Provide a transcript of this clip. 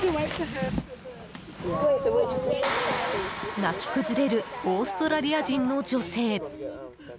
泣き崩れるオーストラリア人の女性。